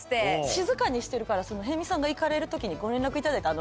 静かにしてるから辺見さんが行かれる時にご連絡いただいたら。